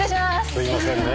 すいませんねぇ。